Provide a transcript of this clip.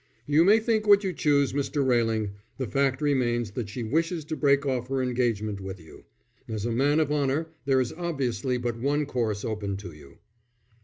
"You may think what you choose, Mr. Railing. The fact remains that she wishes to break off her engagement with you. As a man of honour there is obviously but one course open to you."